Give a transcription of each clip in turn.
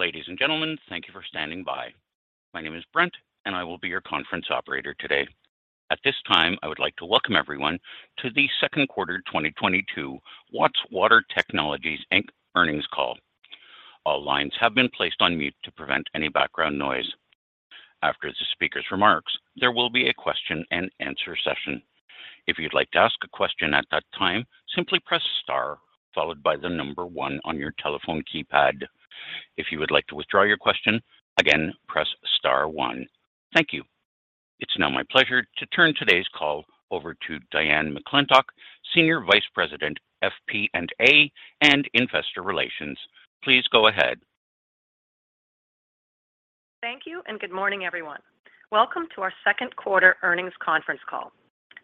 Ladies and gentlemen, thank you for standing by. My name is Brent, and I will be your conference operator today. At this time, I would like to welcome everyone to the Second Quarter 2022 Watts Water Technologies, Inc. Earnings Call. All lines have been placed on mute to prevent any background noise. After the speaker's remarks, there will be a question-and-answer session. If you'd like to ask a question at that time, simply press star followed by the number one on your telephone keypad. If you would like to withdraw your question, again, press star one. Thank you. It's now my pleasure to turn today's call over to Diane McClintock, Senior Vice President, FP&A, and Investor Relations. Please go ahead. Thank you, and good morning, everyone. Welcome to our second quarter earnings conference call.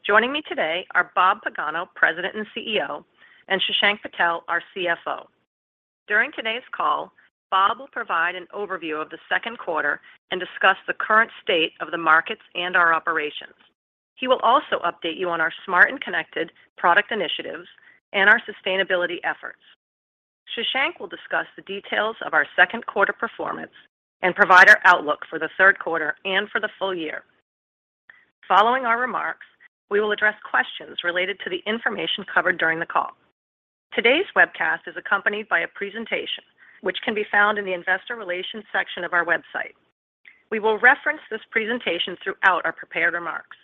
Joining me today are Robert Pagano, President and CEO, and Shashank Patel, our CFO. During today's call, Bob will provide an overview of the second quarter and discuss the current state of the markets and our operations. He will also update you on our smart and connected product initiatives and our sustainability efforts. Shashank will discuss the details of our second quarter performance and provide our outlook for the third quarter and for the full year. Following our remarks, we will address questions related to the information covered during the call. Today's webcast is accompanied by a presentation which can be found in the investor relations section of our website. We will reference this presentation throughout our prepared remarks.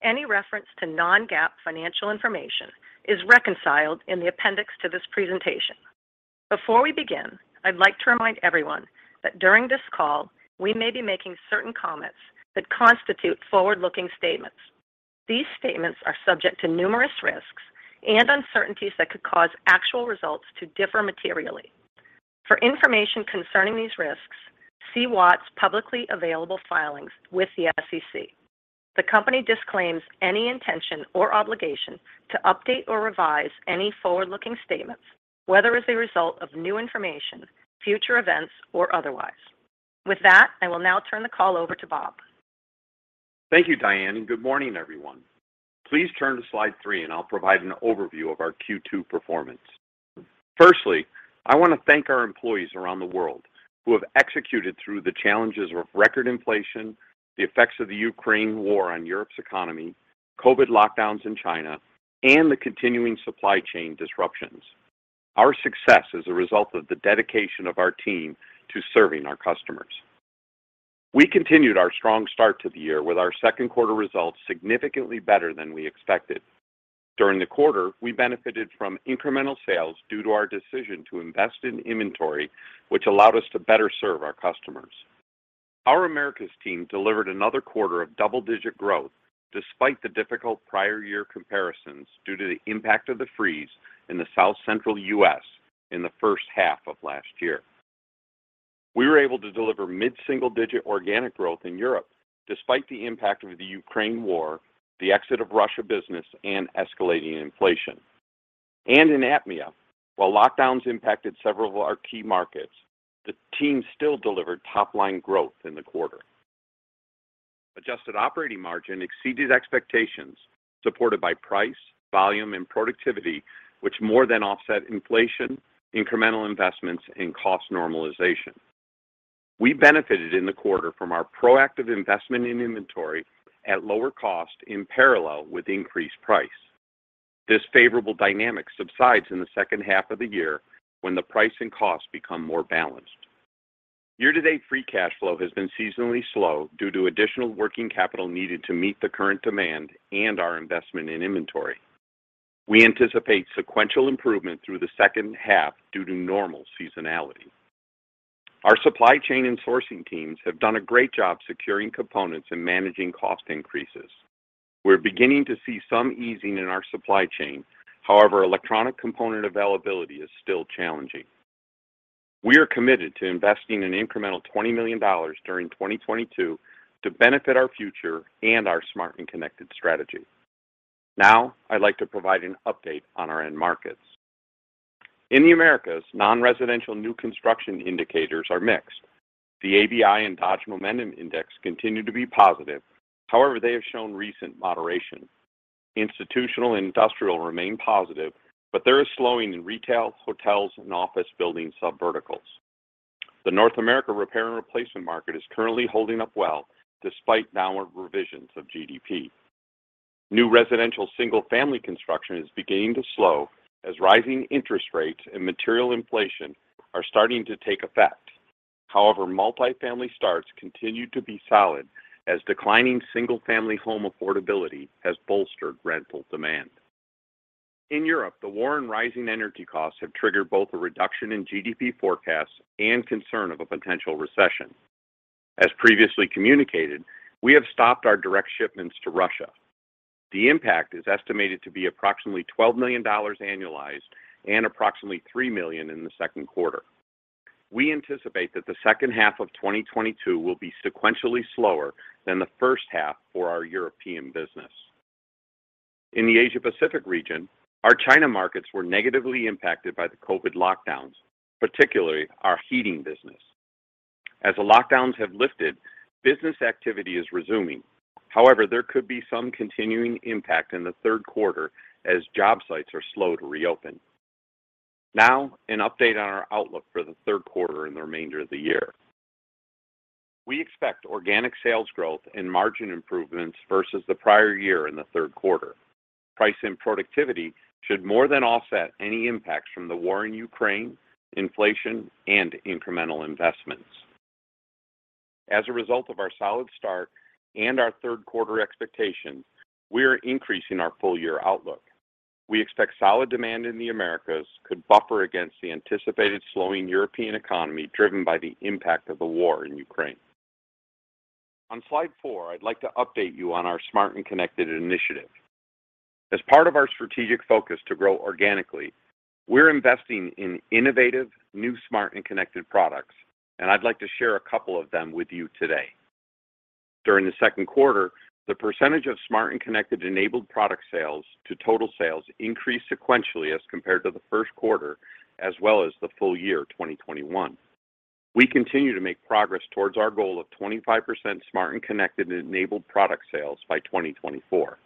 Any reference to non-GAAP financial information is reconciled in the appendix to this presentation. Before we begin, I'd like to remind everyone that during this call, we may be making certain comments that constitute forward-looking statements. These statements are subject to numerous risks and uncertainties that could cause actual results to differ materially. For information concerning these risks, see Watts' publicly available filings with the SEC. The company disclaims any intention or obligation to update or revise any forward-looking statements, whether as a result of new information, future events, or otherwise. With that, I will now turn the call over to Bob. Thank you, Diane, and good morning, everyone. Please turn to slide three, and I'll provide an overview of our Q2 performance. Firstly, I want to thank our employees around the world who have executed through the challenges of record inflation, the effects of the Ukraine war on Europe's economy, COVID lockdowns in China, and the continuing supply chain disruptions. Our success is a result of the dedication of our team to serving our customers. We continued our strong start to the year with our second quarter results significantly better than we expected. During the quarter, we benefited from incremental sales due to our decision to invest in inventory, which allowed us to better serve our customers. Our Americas team delivered another quarter of double-digit growth despite the difficult prior year comparisons due to the impact of the freeze in the South Central U.S. in the first half of last year. We were able to deliver mid-single digit organic growth in Europe despite the impact of the Ukraine war, the exit of Russia business, and escalating inflation. In APMEA, while lockdowns impacted several of our key markets, the team still delivered top-line growth in the quarter. Adjusted operating margin exceeded expectations supported by price, volume, and productivity, which more than offset inflation, incremental investments, and cost normalization. We benefited in the quarter from our proactive investment in inventory at lower cost in parallel with increased price. This favorable dynamic subsides in the second half of the year when the price and cost become more balanced. Year-to-date free cash flow has been seasonally slow due to additional working capital needed to meet the current demand and our investment in inventory. We anticipate sequential improvement through the second half due to normal seasonality. Our supply chain and sourcing teams have done a great job securing components and managing cost increases. We're beginning to see some easing in our supply chain. However, electronic component availability is still challenging. We are committed to investing an incremental $20 million during 2022 to benefit our future and our smart and connected strategy. Now, I'd like to provide an update on our end markets. In the Americas, non-residential new construction indicators are mixed. The ABI and Dodge Momentum Index continue to be positive. However, they have shown recent moderation. Institutional, industrial remain positive, but there is slowing in retail, hotels, and office building subverticals. The North American repair and replacement market is currently holding up well despite downward revisions of GDP. New residential single-family construction is beginning to slow as rising interest rates and material inflation are starting to take effect. However, multifamily starts continue to be solid as declining single-family home affordability has bolstered rental demand. In Europe, the war and rising energy costs have triggered both a reduction in GDP forecasts and concern of a potential recession. As previously communicated, we have stopped our direct shipments to Russia. The impact is estimated to be approximately $12 million annualized and $3 million in the second quarter. We anticipate that the second half of 2022 will be sequentially slower than the first half for our European business. In the Asia Pacific region, our China markets were negatively impacted by the COVID lockdowns, particularly our heating business. As the lockdowns have lifted, business activity is resuming. However, there could be some continuing impact in the third quarter as job sites are slow to reopen. Now, an update on our outlook for the third quarter and the remainder of the year. We expect organic sales growth and margin improvements versus the prior year in the third quarter. Price and productivity should more than offset any impacts from the war in Ukraine, inflation, and incremental investments. As a result of our solid start and our third quarter expectations, we are increasing our full year outlook. We expect solid demand in the Americas could buffer against the anticipated slowing European economy driven by the impact of the war in Ukraine. On slide four, I'd like to update you on our smart and connected initiative. As part of our strategic focus to grow organically, we're investing in innovative, new smart and connected products, and I'd like to share a couple of them with you today. During the second quarter, the percentage of smart and connected enabled product sales to total sales increased sequentially as compared to the first quarter, as well as the full year 2021. We continue to make progress towards our goal of 25% smart and connected enabled product sales by 2024.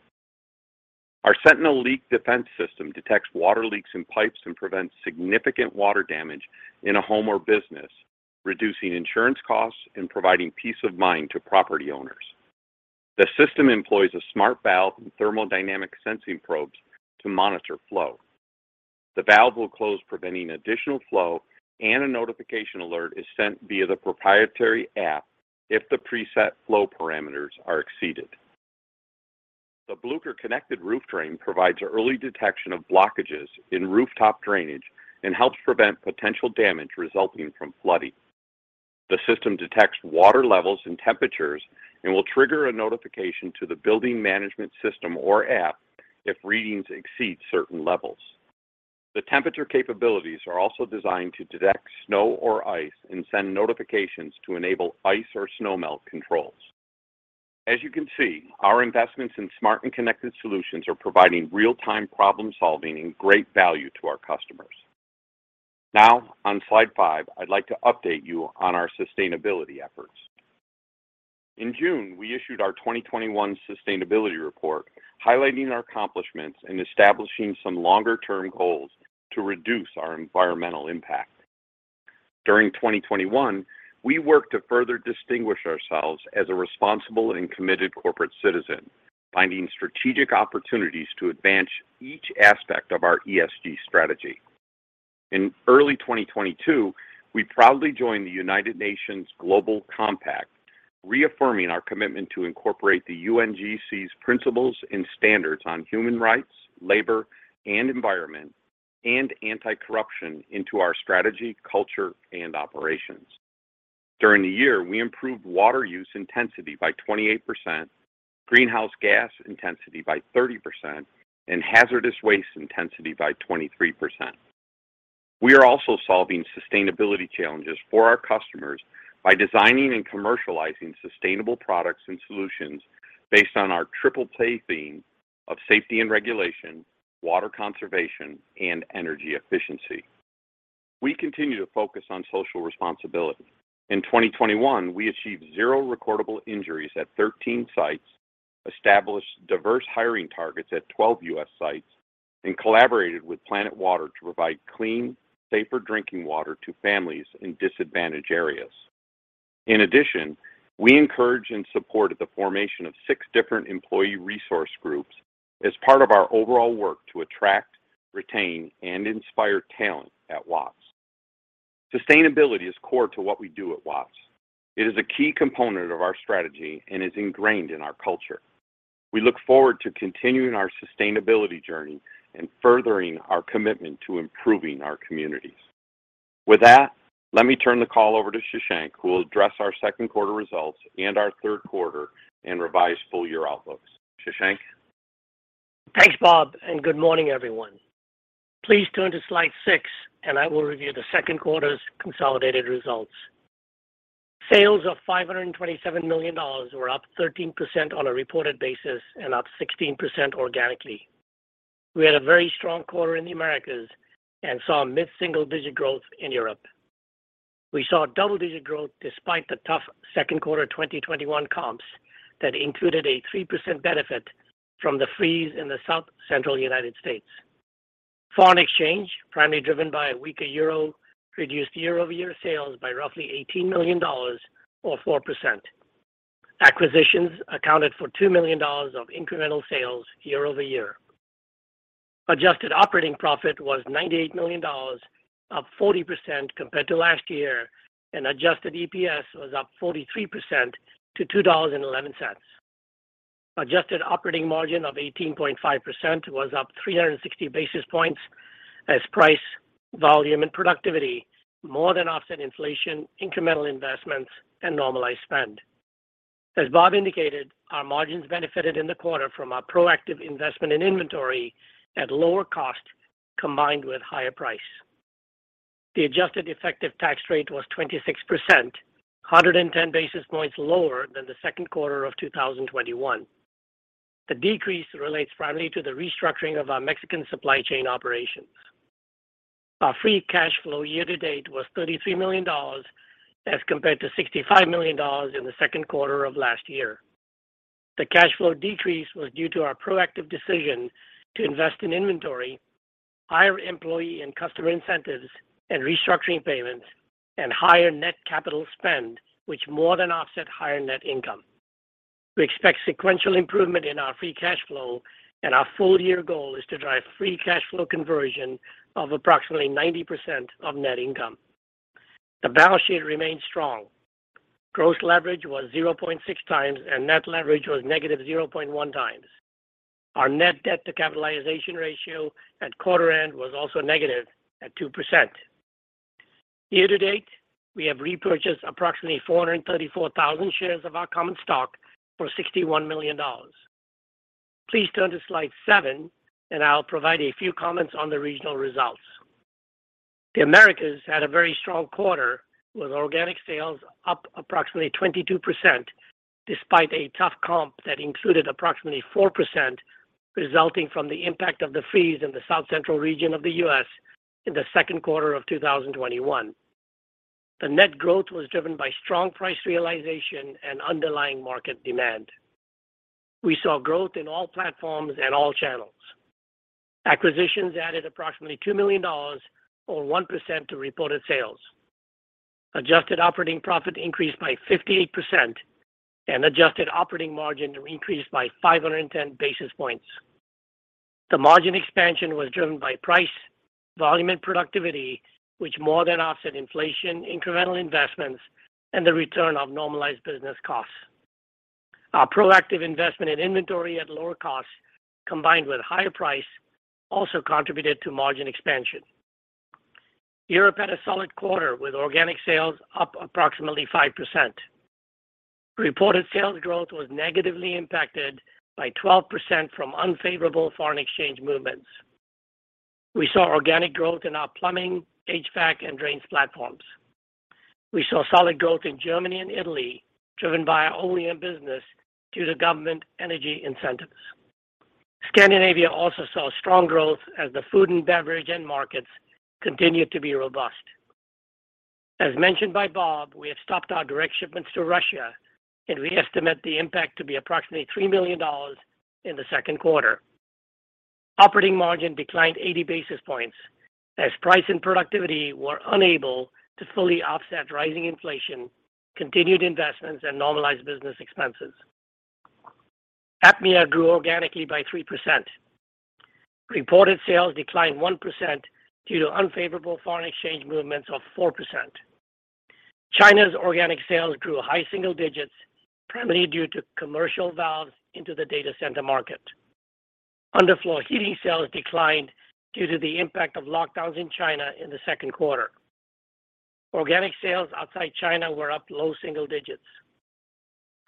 Our Leak Defense System detects water leaks in pipes and prevents significant water damage in a home or business, reducing insurance costs and providing peace of mind to property owners. The system employs a smart valve and thermodynamic sensing probes to monitor flow. The valve will close, preventing additional flow, and a notification alert is sent via the proprietary app if the preset flow parameters are exceeded. The Connected Roof System provides early detection of blockages in rooftop drainage and helps prevent potential damage resulting from flooding. The system detects water levels and temperatures and will trigger a notification to the building management system or app if readings exceed certain levels. The temperature capabilities are also designed to detect snow or ice and send notifications to enable ice or snow melt controls. As you can see, our investments in smart and connected solutions are providing real-time problem-solving and great value to our customers. Now on slide five, I'd like to update you on our sustainability efforts. In June, we issued our 2021 sustainability report highlighting our accomplishments and establishing some longer term goals to reduce our environmental impact. During 2021, we worked to further distinguish ourselves as a responsible and committed corporate citizen, finding strategic opportunities to advance each aspect of our ESG strategy. In early 2022, we proudly joined the United Nations Global Compact, reaffirming our commitment to incorporate the UNGC's principles and standards on human rights, labor, and environment, and anti-corruption into our strategy, culture, and operations. During the year, we improved water use intensity by 28%, greenhouse gas intensity by 30%, and hazardous waste intensity by 23%. We are also solving sustainability challenges for our customers by designing and commercializing sustainable products and solutions based on our triple play theme of safety and regulation, water conservation, and energy efficiency. We continue to focus on social responsibility. In 2021, we achieved zero recordable injuries at 13 sites, established diverse hiring targets at 12 U.S. sites, and collaborated with Planet Water to provide clean, safer drinking water to families in disadvantaged areas. In addition, we encouraged and supported the formation of six different employee resource groups as part of our overall work to attract, retain, and inspire talent at Watts. Sustainability is core to what we do at Watts. It is a key component of our strategy and is ingrained in our culture. We look forward to continuing our sustainability journey and furthering our commitment to improving our communities. With that, let me turn the call over to Shashank, who will address our second quarter results and our third quarter and revised full year outlooks. Shashank? Thanks, Rob, and good morning, everyone. Please turn to slide six, and I will review the second quarter's consolidated results. Sales of $527 million were up 13% on a reported basis and up 16% organically. We had a very strong quarter in the Americas and saw mid-single-digit growth in Europe. We saw double-digit growth despite the tough second quarter 2021 comps that included a 3% benefit from the freeze in the South Central United States. Foreign exchange, primarily driven by a weaker euro, reduced year-over-year sales by roughly $18 million or 4%. Acquisitions accounted for $2 million of incremental sales year over year. Adjusted operating profit was $98 million, up 40% compared to last year, and adjusted EPS was up 43% to $2.11. Adjusted operating margin of 18.5% was up 360 basis points as price, volume, and productivity more than offset inflation, incremental investments, and normalized spend. As Bob indicated, our margins benefited in the quarter from our proactive investment in inventory at lower cost combined with higher price. The adjusted effective tax rate was 26%, 110 basis points lower than the second quarter of 2021. The decrease relates primarily to the restructuring of our Mexican supply chain operations. Our free cash flow year to date was $33 million as compared to $65 million in the second quarter of last year. The cash flow decrease was due to our proactive decision to invest in inventory, higher employee and customer incentives and restructuring payments, and higher net capital spend, which more than offset higher net income. We expect sequential improvement in our free cash flow, and our full year goal is to drive free cash flow conversion of approximately 90% of net income. The balance sheet remains strong. Gross leverage was 0.6 times and net leverage was negative 0.1x. Our net debt to capitalization ratio at quarter end was also negative at 2%. Year to date, we have repurchased approximately 434,000 shares of our common stock for $61 million. Please turn to slide seven, and I'll provide a few comments on the regional results. The Americas had a very strong quarter, with organic sales up approximately 22% despite a tough comp that included approximately 4%, resulting from the impact of the freeze in the South Central region of the U.S. in the second quarter of 2021. The net growth was driven by strong price realization and underlying market demand. We saw growth in all platforms and all channels. Acquisitions added approximately $2 million or 1% to reported sales. Adjusted operating profit increased by 58% and adjusted operating margin increased by 510 basis points. The margin expansion was driven by price, volume, and productivity, which more than offset inflation, incremental investments, and the return of normalized business costs. Our proactive investment in inventory at lower costs, combined with higher price, also contributed to margin expansion. Europe had a solid quarter with organic sales up approximately 5%. Reported sales growth was negatively impacted by 12% from unfavorable foreign exchange movements. We saw organic growth in our plumbing, HVAC, and drains platforms. We saw solid growth in Germany and Italy, driven by our OEM business due to government energy incentives. Scandinavia also saw strong growth as the food and beverage end markets continued to be robust. As mentioned by Bob, we have stopped our direct shipments to Russia, and we estimate the impact to be approximately $3 million in the second quarter. Operating margin declined 80 basis points as price and productivity were unable to fully offset rising inflation, continued investments, and normalized business expenses. APMEA grew organically by 3%. Reported sales declined 1% due to unfavorable foreign exchange movements of 4%. China's organic sales grew high single digits, primarily due to commercial valves into the data center market. Underfloor heating sales declined due to the impact of lockdowns in China in the second quarter. Organic sales outside China were up low single digits.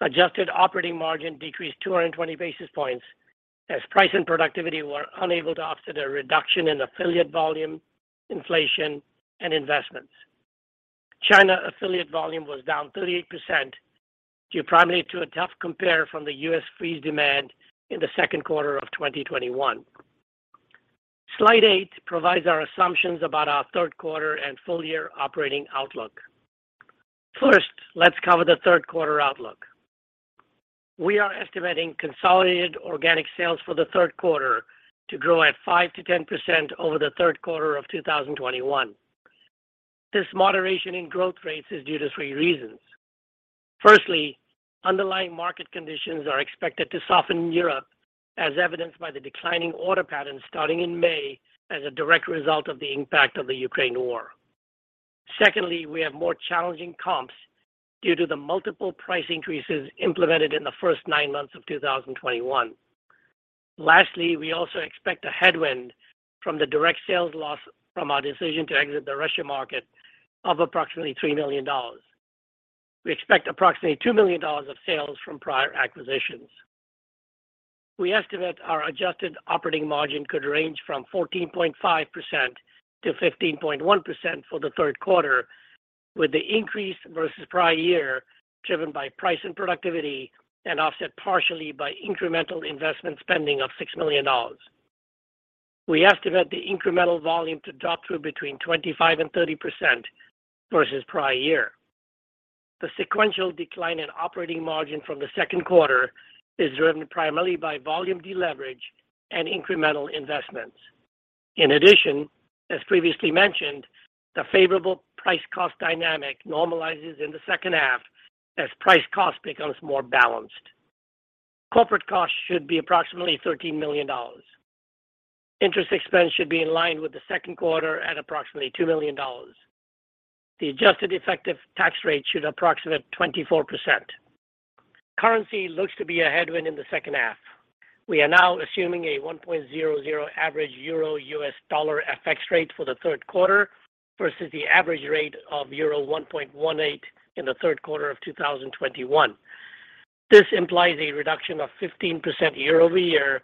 Adjusted operating margin decreased 200 basis points as price and productivity were unable to offset a reduction in affiliate volume, inflation, and investments. China affiliate volume was down 38%, due primarily to a tough compare from the U.S. freeze demand in the second quarter of 2021. Slide eight provides our assumptions about our third quarter and full-year operating outlook. First, let's cover the third quarter outlook. We are estimating consolidated organic sales for the third quarter to grow at 5%-10% over the third quarter of 2021. This moderation in growth rates is due to three reasons. Firstly, underlying market conditions are expected to soften in Europe, as evidenced by the declining order patterns starting in May as a direct result of the impact of the Ukraine war. Secondly, we have more challenging comps due to the multiple price increases implemented in the first nine months of 2021. Lastly, we also expect a headwind from the direct sales loss from our decision to exit the Russia market of approximately $3 million. We expect approximately $2 million of sales from prior acquisitions. We estimate our adjusted operating margin could range from 14.5% to 15.1% for the third quarter, with the increase versus prior year driven by price and productivity and offset partially by incremental investment spending of $6 million. We estimate the incremental volume to drop to between 25% and 30% versus prior year. The sequential decline in operating margin from the second quarter is driven primarily by volume deleverage and incremental investments. In addition, as previously mentioned, the favorable price cost dynamic normalizes in the second half as price cost becomes more balanced. Corporate costs should be approximately $13 million. Interest expense should be in line with the second quarter at approximately $2 million. The adjusted effective tax rate should approximate 24%. Currency looks to be a headwind in the second half. We are now assuming a 1.00 average euro-US dollar FX rate for the third quarter versus the average rate of euro 1.18 in the third quarter of 2021. This implies a reduction of 15% year-over-year,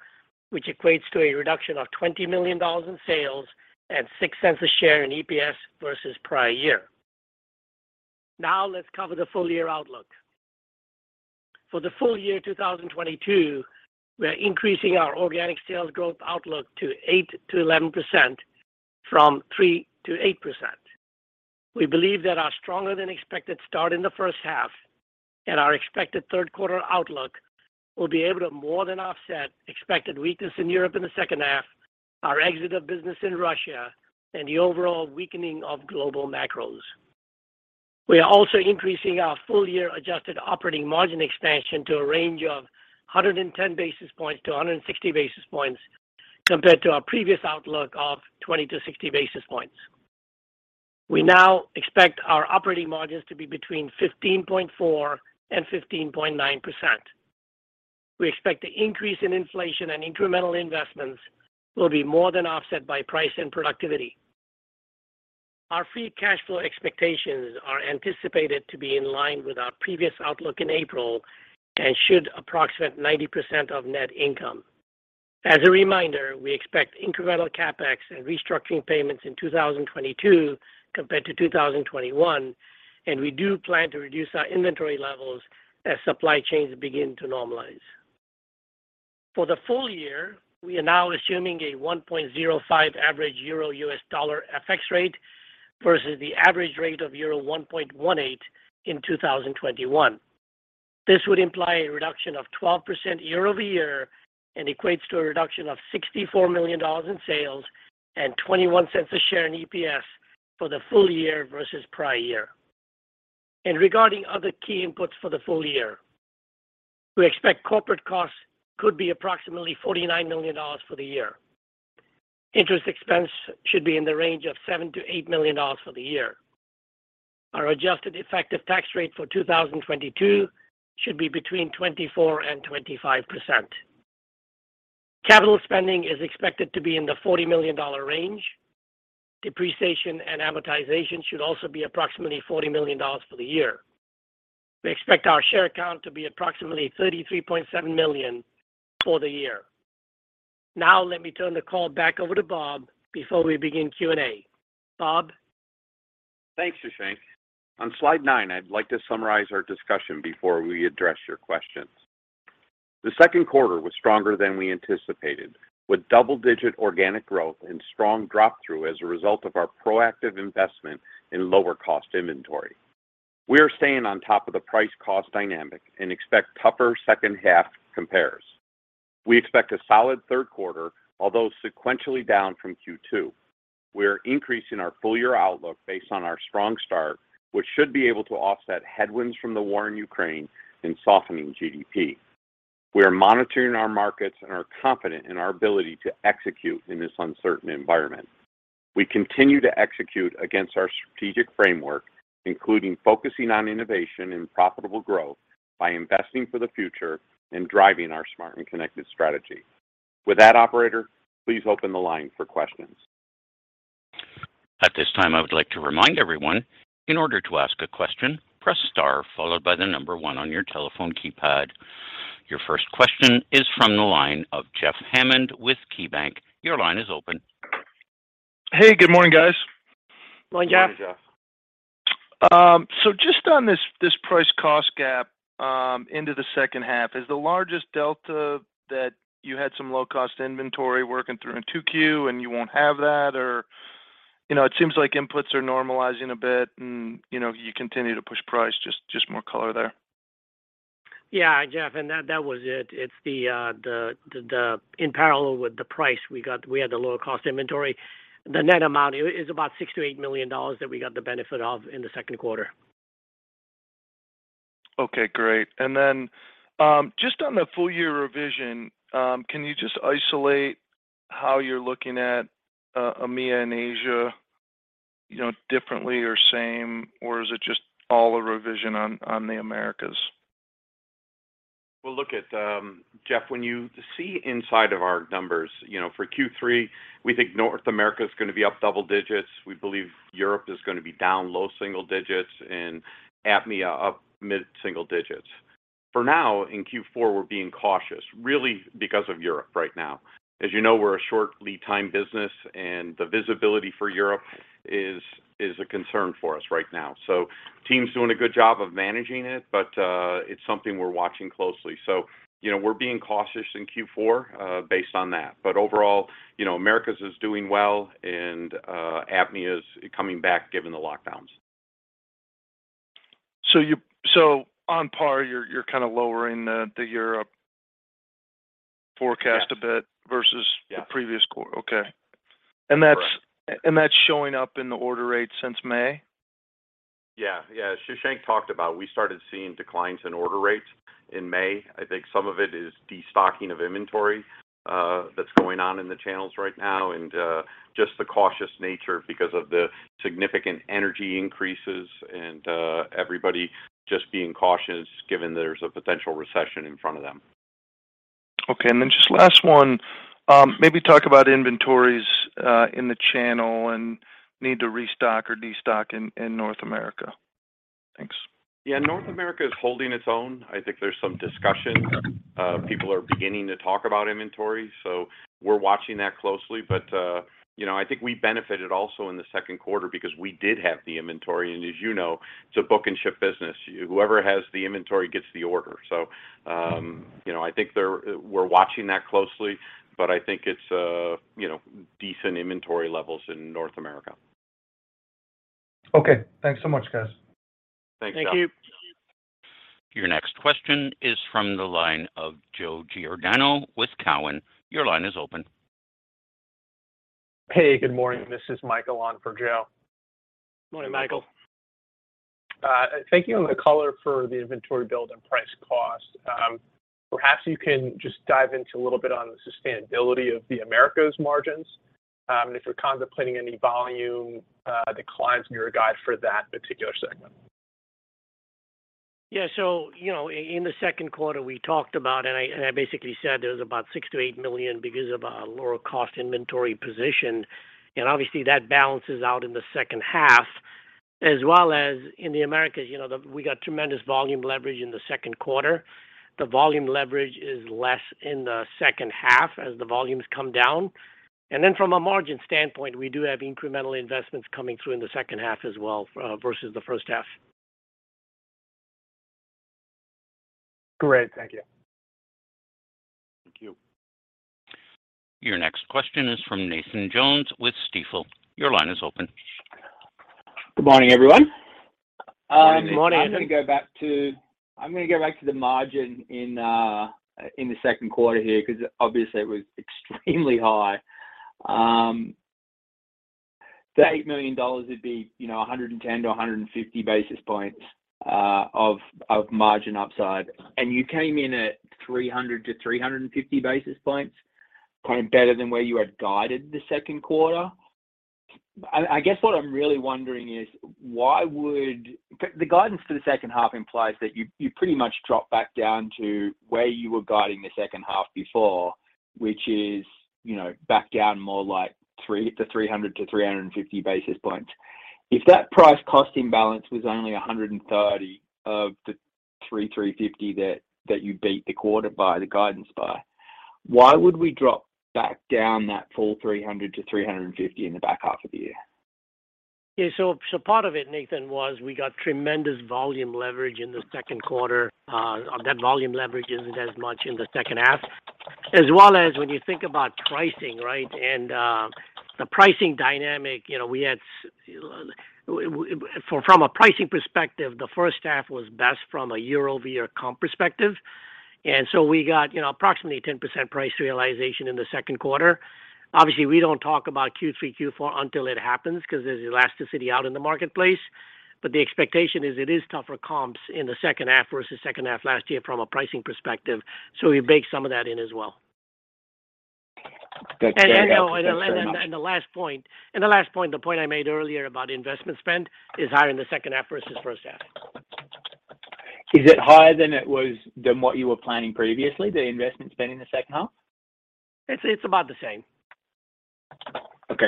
which equates to a reduction of $20 million in sales and $0.06 a share in EPS versus prior year. Now let's cover the full year outlook. For the full year 2022, we are increasing our organic sales growth outlook to 8%-11% from 3%-8%. We believe that our stronger than expected start in the first half and our expected third quarter outlook will be able to more than offset expected weakness in Europe in the second half, our exit of business in Russia, and the overall weakening of global macros. We are also increasing our full year adjusted operating margin expansion to a range of 110-160 basis points compared to our previous outlook of 20-60 basis points. We now expect our operating margins to be between 15.4%-15.9%. We expect the increase in inflation and incremental investments will be more than offset by price and productivity. Our free cash flow expectations are anticipated to be in line with our previous outlook in April and should approximate 90% of net income. As a reminder, we expect incremental CapEx and restructuring payments in 2022 compared to 2021, and we do plan to reduce our inventory levels as supply chains begin to normalize. For the full year, we are now assuming a 1.05 average euro-US dollar FX rate versus the average rate of euro 1.18 in 2021. This would imply a reduction of 12% year-over-year and equates to a reduction of $64 million in sales and $0.21 a share in EPS for the full year versus prior year. Regarding other key inputs for the full year, we expect corporate costs could be approximately $49 million for the year. Interest expense should be in the range of $7 million-$8 million for the year. Our adjusted effective tax rate for 2022 should be between 24%-25%. Capital spending is expected to be in the $40 million range. Depreciation and amortization should also be approximately $40 million for the year. We expect our share count to be approximately 33.7 million for the year. Now let me turn the call back over to Bob before we begin Q&A. Bob? Thanks, Shashank. On slide nine, I'd like to summarize our discussion before we address your questions. The second quarter was stronger than we anticipated, with double-digit organic growth and strong drop-through as a result of our proactive investment in lower cost inventory. We are staying on top of the price cost dynamic and expect tougher second half compares. We expect a solid third quarter, although sequentially down from Q2. We're increasing our full year outlook based on our strong start, which should be able to offset headwinds from the war in Ukraine and softening GDP. We are monitoring our markets and are confident in our ability to execute in this uncertain environment. We continue to execute against our strategic framework, including focusing on innovation and profitable growth by investing for the future and driving our smart and connected strategy. With that, operator, please open the line for questions. At this time, I would like to remind everyone, in order to ask a question, press star followed by the number one on your telephone keypad. Your first question is from the line of Jeff Hammond with KeyBanc. Your line is open. Hey, good morning, guys. Morning, Jeff. Morning, Jeff. Just on this price cost gap into the second half, is the largest delta that you had some low cost inventory working through in 2Q and you won't have that? Or, you know, it seems like inputs are normalizing a bit and, you know, you continue to push price. Just more color there. Yeah, Jeff, that was it. It's the inventory in parallel with the price we got. We had the lower cost inventory. The net amount is about $6 million-$8 million that we got the benefit of in the second quarter. Okay, great. Just on the full year revision, can you just isolate how you're looking at EMEA and Asia, you know, differently or same, or is it just all a revision on the Americas? Well, look at, Jeff, when you see inside of our numbers, you know, for Q3, we think North America is gonna be up double digits. We believe Europe is gonna be down low single digits and APMEA up mid-single digits. For now, in Q4, we're being cautious, really because of Europe right now. As you know, we're a short lead time business, and the visibility for Europe is a concern for us right now. Team's doing a good job of managing it, but it's something we're watching closely. You know, we're being cautious in Q4 based on that. Overall, you know, Americas is doing well and APMEA is coming back given the lockdowns. On par, you're kind of lowering the Europe forecast. Yes A bit versus. Yeah The previous quarter. Okay. Correct. That's showing up in the order rates since May? Yeah. Shashank talked about we started seeing declines in order rates in May. I think some of it is destocking of inventory, that's going on in the channels right now and, just the cautious nature because of the significant energy increases and, everybody just being cautious given there's a potential recession in front of them. Okay. Just last one, maybe talk about inventories in the channel and need to restock or destock in North America. Thanks. Yeah, North America is holding its own. I think there's some discussion. People are beginning to talk about inventory, so we're watching that closely. I think we benefited also in the second quarter because we did have the inventory. As you know, it's a book and ship business. Whoever has the inventory gets the order. I think we're watching that closely, but I think it's decent inventory levels in North America. Okay. Thanks so much, guys. Thanks. Thank you. Your next question is from the line of Joe Giordano with TD Cowen. Your line is open. Hey, good morning. This is Michael on for Joe. Morning, Michael. Thank you on the color for the inventory build and price cost. Perhaps you can just dive into a little bit on the sustainability of the Americas margins, and if you're contemplating any volume declines in your guide for that particular segment. Yeah. You know, in the second quarter, we talked about, and I basically said there was about $6 million-$8 million because of a lower cost inventory position. Obviously, that balances out in the second half, as well as in the Americas. You know, we got tremendous volume leverage in the second quarter. The volume leverage is less in the second half as the volumes come down. From a margin standpoint, we do have incremental investments coming through in the second half as well, versus the first half. Great. Thank you. Thank you. Your next question is from Nathan Jones with Stifel. Your line is open. Good morning, everyone. Good morning, Nathan. I'm gonna go back to the margin in the second quarter here because obviously it was extremely high. The $8 million would be, you know, 110-150 basis points of margin upside. You came in at 300-350 basis points, better than where you had guided the second quarter. I guess what I'm really wondering is why the guidance for the second half implies that you pretty much dropped back down to where you were guiding the second half before, which is, you know, back down more like 300-350 basis points. If that price cost imbalance was only $130 of the $350 that you beat the quarter by, the guidance by, why would we drop back down that full $300-$350 in the back half of the year? Part of it, Nathan, was we got tremendous volume leverage in the second quarter. That volume leverage isn't as much in the second half. As well as when you think about pricing, right? The pricing dynamic, you know, we had from a pricing perspective, the first half was best from a year-over-year comp perspective. We got, you know, approximately 10% price realization in the second quarter. Obviously, we don't talk about Q3, Q4 until it happens 'cause there's elasticity out in the marketplace. The expectation is it is tougher comps in the second half versus second half last year from a pricing perspective. We bake some of that in as well. That's great. The last point, the point I made earlier about investment spend is higher in the second half versus first half. Is it higher than what you were planning previously, the investment spend in the second half? It's about the same. Okay.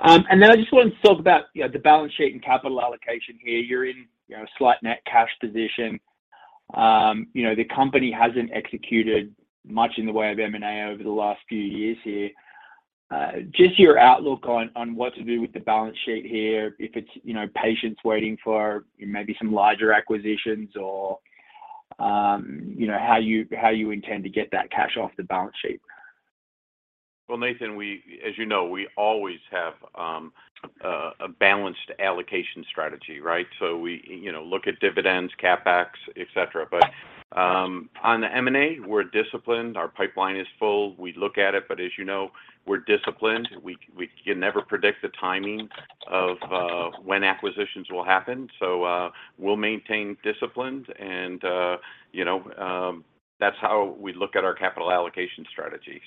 I just wanted to talk about, you know, the balance sheet and capital allocation here. You're in, you know, a slight net cash position. You know, the company hasn't executed much in the way of M&A over the last few years here. Just your outlook on what to do with the balance sheet here, if it's, you know, patience waiting for maybe some larger acquisitions or, you know, how you intend to get that cash off the balance sheet. Well, Nathan, as you know, we always have a balanced allocation strategy, right? We you know look at dividends, CapEx, et cetera. On the M&A, we're disciplined. Our pipeline is full. We look at it, but as you know, we're disciplined. We can never predict the timing of when acquisitions will happen. We'll maintain discipline and you know that's how we look at our capital allocation strategy.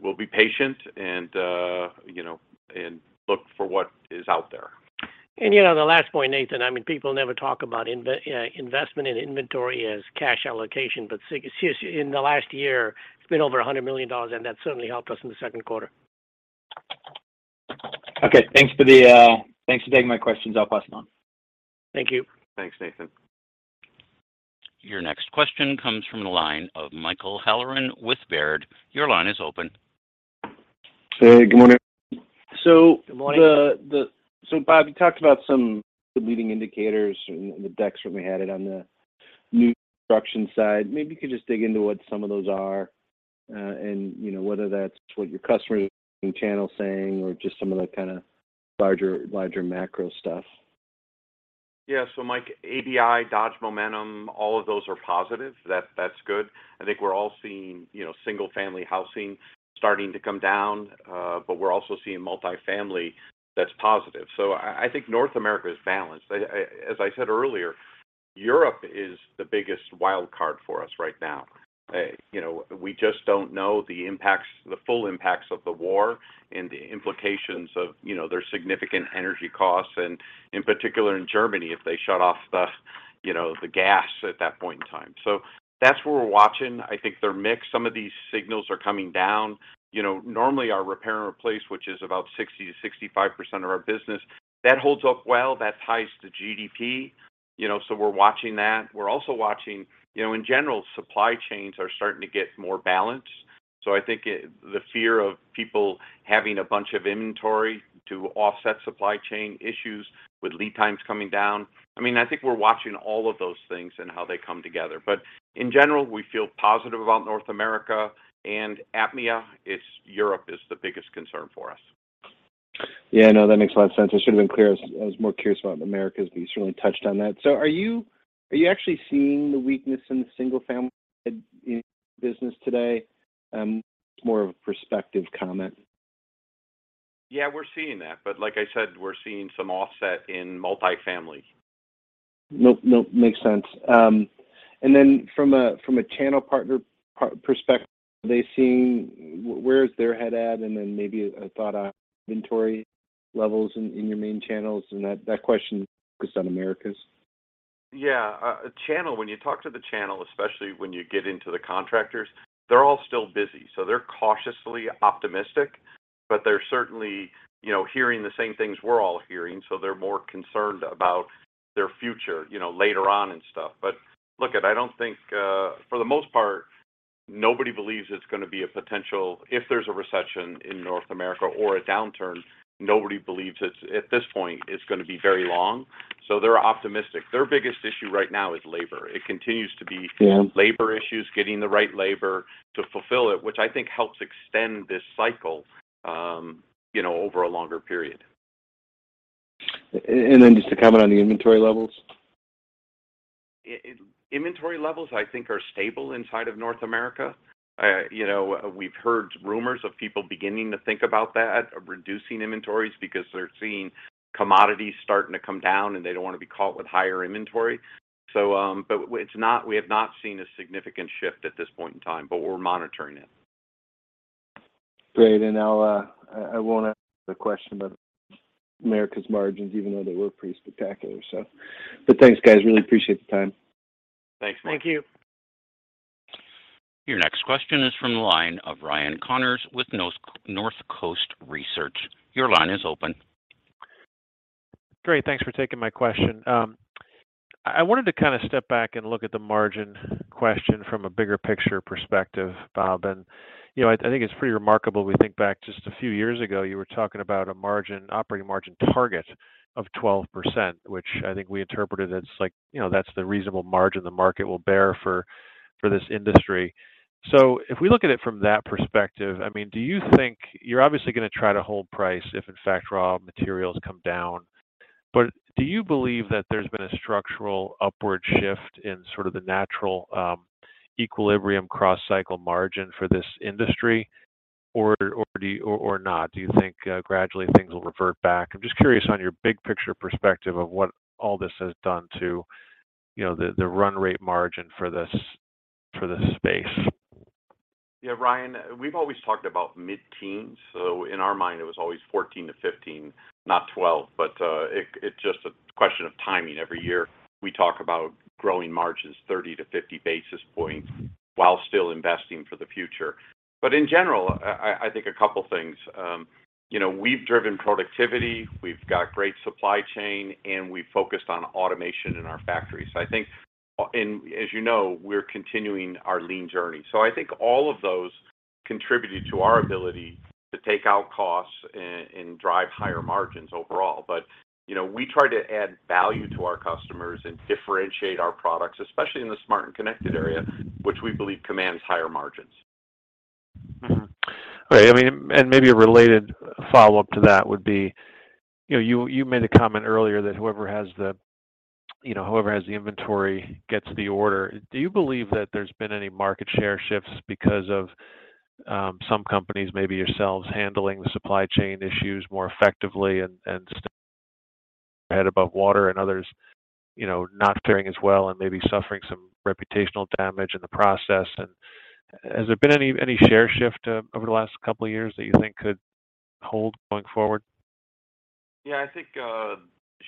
We'll be patient and you know and look for what is out there. You know, the last point, Nathan, I mean, people never talk about investment in inventory as cash allocation. Seriously, in the last year, it's been over $100 million, and that certainly helped us in the second quarter. Okay. Thanks for taking my questions. I'll pass them on. Thank you. Thanks, Nathan. Your next question comes from the line of Michael Halloran with Baird. Your line is open. Hey, good morning. Good morning. Bob, you talked about some of the leading indicators, and the decks really had it on the new construction side. Maybe you could just dig into what some of those are, and you know whether that's what your customer channel is saying or just some of the kinda larger macro stuff. Yeah. Mike, ABI, Dodge Momentum, all of those are positive. That's good. I think we're all seeing, you know, single-family housing starting to come down, but we're also seeing multi-family that's positive. As I said earlier, Europe is the biggest wild card for us right now. You know, we just don't know the impacts, the full impacts of the war and the implications of, you know, their significant energy costs, and in particular in Germany, if they shut off, you know, the gas at that point in time. That's where we're watching. I think they're mixed. Some of these signals are coming down. You know, normally, our repair and replace, which is about 60%-65% of our business, that holds up well. That ties to GDP, you know, so we're watching that. We're also watching. You know, in general, supply chains are starting to get more balanced. So I think the fear of people having a bunch of inventory to offset supply chain issues with lead times coming down. I mean, I think we're watching all of those things and how they come together. In general, we feel positive about North America and APMEA Europe is the biggest concern for us. Yeah, I know. That makes a lot of sense. I should have been clear. I was more curious about Americas, but you certainly touched on that. Are you actually seeing the weakness in the single-family business today? More of a perspective comment. Yeah, we're seeing that. Like I said, we're seeing some offset in multifamily. No, makes sense. Then from a channel partner perspective, are they seeing where their head is at? Then maybe a thought on inventory levels in your main channels and that question focused on Americas. Yeah. When you talk to the channel, especially when you get into the contractors, they're all still busy. They're cautiously optimistic, but they're certainly, you know, hearing the same things we're all hearing, so they're more concerned about their future, you know, later on and stuff. Look, I don't think for the most part if there's a recession in North America or a downturn, nobody believes it's gonna be very long at this point. They're optimistic. Their biggest issue right now is labor. It continues to be. Yeah labor issues, getting the right labor to fulfill it, which I think helps extend this cycle, you know, over a longer period. Just to comment on the inventory levels. Inventory levels, I think, are stable inside of North America. You know, we've heard rumors of people beginning to think about that, of reducing inventories because they're seeing commodities starting to come down, and they don't want to be caught with higher inventory. We have not seen a significant shift at this point in time, but we're monitoring it. Great. I'll, I won't ask the question about Americas margins, even though they were pretty spectacular. Thanks, guys. Really appreciate the time. Thanks, Mike. Thank you. Your next question is from the line of Ryan Connors with Northcoast Research. Your line is open. Great. Thanks for taking my question. I wanted to kinda step back and look at the margin question from a bigger picture perspective, Bob. You know, I think it's pretty remarkable. We think back just a few years ago, you were talking about an operating margin target of 12%, which I think we interpreted as, like, you know, that's the reasonable margin the market will bear for this industry. If we look at it from that perspective, I mean, do you think. You're obviously gonna try to hold price if in fact raw materials come down. Do you believe that there's been a structural upward shift in sort of the natural equilibrium cross-cycle margin for this industry or not. Do you think gradually things will revert back. I'm just curious on your big picture perspective of what all this has done to, you know, the run rate margin for this space. Yeah, Ryan, we've always talked about mid-teens. In our mind, it was always 14-15, not 12. It's just a question of timing. Every year, we talk about growing margins 30-50 basis points while still investing for the future. In general, I think a couple of things. You know, we've driven productivity, we've got great supply chain, and we focused on automation in our factories. I think. As you know, we're continuing our lean journey. I think all of those contributed to our ability to take out costs and drive higher margins overall. You know, we try to add value to our customers and differentiate our products, especially in the smart and connected area, which we believe commands higher margins. All right. I mean, maybe a related follow-up to that would be, you know, you made a comment earlier that whoever has the inventory gets the order. Do you believe that there's been any market share shifts because of some companies, maybe yourselves, handling the supply chain issues more effectively and staying ahead above water and others, you know, not faring as well and maybe suffering some reputational damage in the process? Has there been any share shift over the last couple of years that you think could hold going forward? Yeah, I think,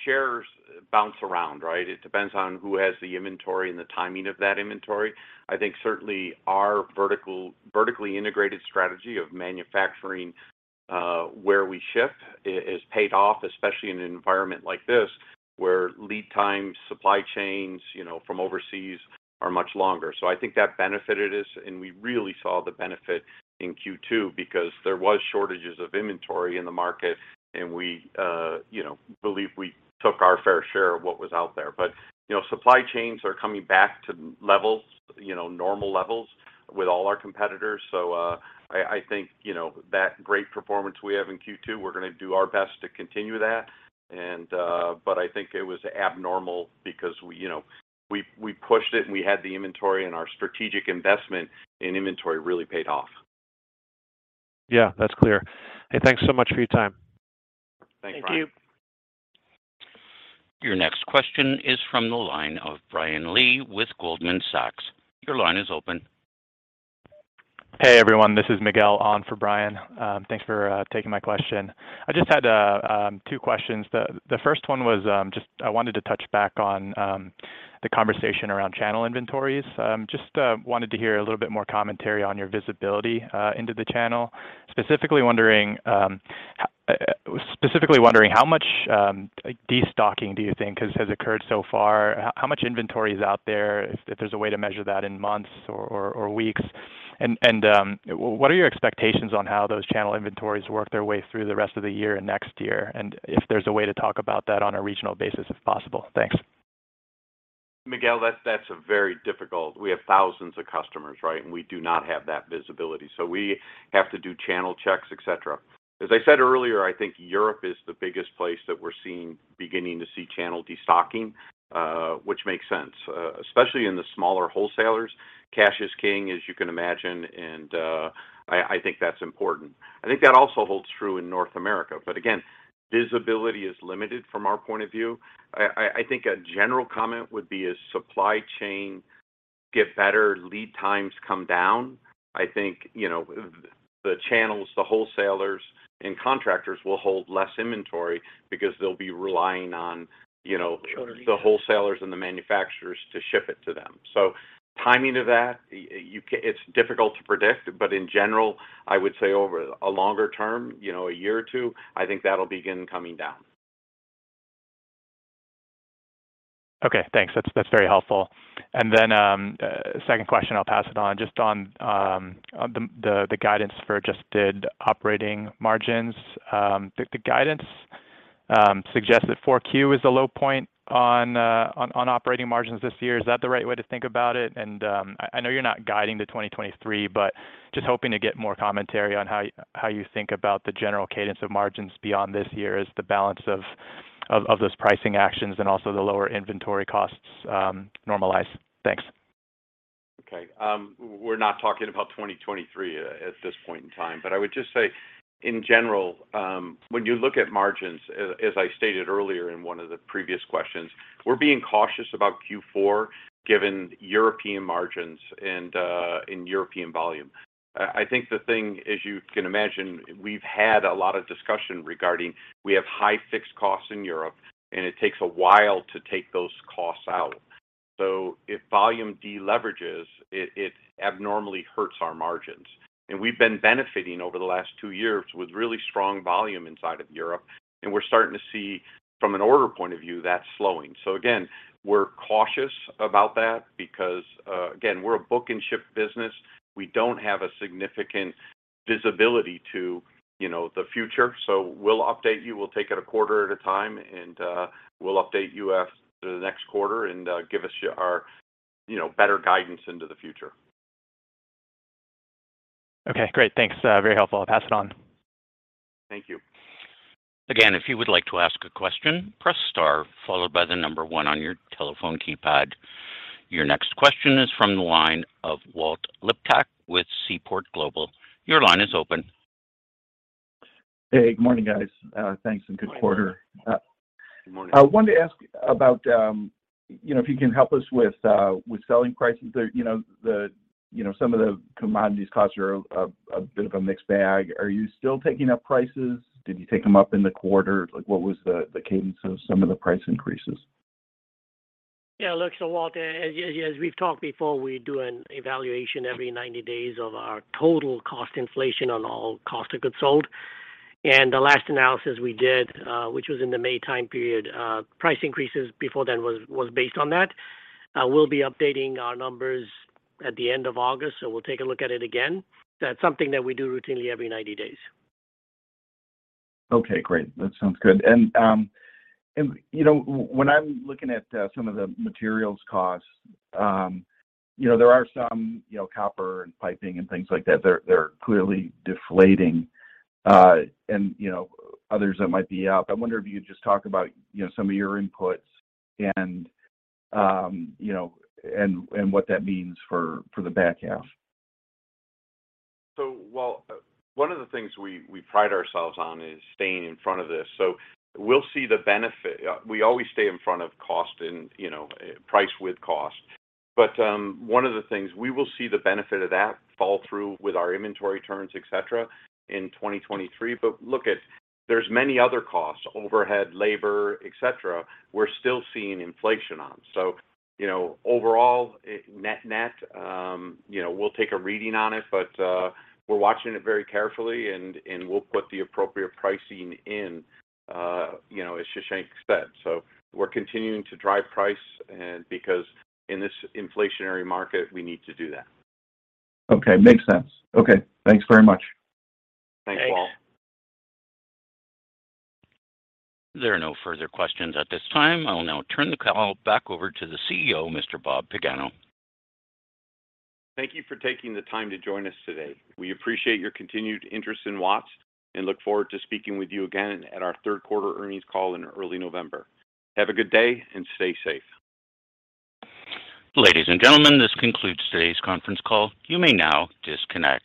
shares bounce around, right? It depends on who has the inventory and the timing of that inventory. I think certainly our vertically integrated strategy of manufacturing, where we ship has paid off, especially in an environment like this, where lead time supply chains, you know, from overseas are much longer. I think that benefited us, and we really saw the benefit in Q2 because there was shortages of inventory in the market, and we, you know, believe we took our fair share of what was out there. You know, supply chains are coming back to levels, you know, normal levels with all our competitors. I think, you know, that great performance we have in Q2, we're going to do our best to continue that. I think it was abnormal because we, you know, pushed it and we had the inventory and our strategic investment in inventory really paid off. Yeah, that's clear. Hey, thanks so much for your time. Thanks, Ryan. Thank you. Your next question is from the line of Brian Lee with Goldman Sachs. Your line is open. Hey, everyone, this is Miguel on for Brian. Thanks for taking my question. I just had two questions. The first one was just I wanted to touch back on the conversation around channel inventories. Just wanted to hear a little bit more commentary on your visibility into the channel, specifically wondering I was specifically wondering how much, like destocking do you think has occurred so far? How much inventory is out there, if there's a way to measure that in months or weeks? What are your expectations on how those channel inventories work their way through the rest of the year and next year, and if there's a way to talk about that on a regional basis if possible? Thanks. Miguel, that's a very difficult. We have thousands of customers, right? We do not have that visibility. We have to do channel checks, et cetera. As I said earlier, I think Europe is the biggest place that we're beginning to see channel destocking, which makes sense. Especially in the smaller wholesalers, cash is king, as you can imagine, and I think that's important. I think that also holds true in North America. Again, visibility is limited from our point of view. I think a general comment would be as supply chain get better, lead times come down, I think, you know, the channels, the wholesalers, and contractors will hold less inventory because they'll be relying on, you know. Shorter leads The wholesalers and the manufacturers to ship it to them. Timing of that, it's difficult to predict, but in general, I would say over a longer term, you know, a year or two, I think that'll begin coming down. Okay, thanks. That's very helpful. Second question, I'll pass it on. Just on the guidance for adjusted operating margins. The guidance suggests that Q4 is the low point on operating margins this year. Is that the right way to think about it? I know you're not guiding to 2023, but just hoping to get more commentary on how you think about the general cadence of margins beyond this year as the balance of those pricing actions and also the lower inventory costs normalize. Thanks. Okay. We're not talking about 2023 at this point in time. I would just say in general, when you look at margins, as I stated earlier in one of the previous questions, we're being cautious about Q4 given European margins and European volume. I think the thing, as you can imagine, we've had a lot of discussion regarding we have high fixed costs in Europe, and it takes a while to take those costs out. If volume deleverages, it abnormally hurts our margins. We've been benefiting over the last two years with really strong volume inside of Europe, and we're starting to see from an order point of view, that's slowing. Again, we're cautious about that because, again, we're a book and ship business. We don't have a significant visibility to, you know, the future. We'll update you. We'll take it a quarter at a time, and we'll update you after the next quarter and give us our, you know, better guidance into the future. Okay, great. Thanks, very helpful. I'll pass it on. Thank you. Again, if you would like to ask a question, press star followed by the number one on your telephone keypad. Your next question is from the line of Walt Liptak with Seaport Global. Your line is open. Hey, good morning, guys. Thanks and good quarter. Good morning. I wanted to ask about, you know, if you can help us with selling prices. You know, some of the commodities costs are a bit of a mixed bag. Are you still taking up prices? Did you take them up in the quarter? Like, what was the cadence of some of the price increases? Yeah, look, Walt, as we've talked before, we do an evaluation every 90 days of our total cost inflation on all cost of goods sold. The last analysis we did, which was in the May time period, price increases before then was based on that. We'll be updating our numbers at the end of August, so we'll take a look at it again. That's something that we do routinely every 90 days. Okay, great. That sounds good. You know, when I'm looking at some of the materials costs, you know, there are some, you know, copper and piping and things like that, they're clearly deflating. You know, others that might be up. I wonder if you could just talk about, you know, some of your inputs and, you know, and what that means for the back half. Well, one of the things we pride ourselves on is staying in front of this. We'll see the benefit. We always stay in front of cost and, you know, price with cost. One of the things we will see the benefit of that fall through with our inventory turns, et cetera, in 2023. Look it, there's many other costs, overhead, labor, et cetera, we're still seeing inflation on. You know, overall, net-net, you know, we'll take a reading on it, but we're watching it very carefully and we'll put the appropriate pricing in, you know, as Shashank said. We're continuing to drive price, and because in this inflationary market, we need to do that. Okay. Makes sense. Okay. Thanks very much. Thanks, Walt. There are no further questions at this time. I will now turn the call back over to the CEO, Mr. Robert Pagano. Thank you for taking the time to join us today. We appreciate your continued interest in Watts and look forward to speaking with you again at our third quarter earnings call in early November. Have a good day and stay safe. Ladies and gentlemen, this concludes today's conference call. You may now disconnect.